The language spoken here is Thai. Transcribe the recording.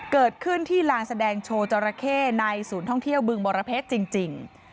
เกิดขึ้นที่ลานแสดงโชว์จราเข้ในศูนย์ท่องเที่ยวบึงบรเพชรจริง